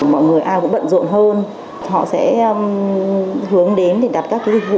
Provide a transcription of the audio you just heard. mọi người ai cũng bận rộn hơn họ sẽ hướng đến để đặt các dịch vụ